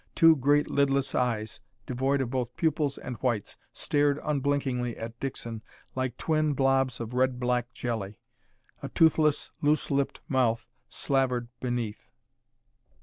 Two great lidless eyes, devoid of both pupils and whites, stared unblinkingly at Dixon like twin blobs of red black jelly. A toothless loose lipped mouth slavered beneath.